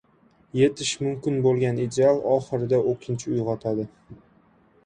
Etish mumkin bo‘lgan ideal oxirida o‘kinch uyg‘otadi.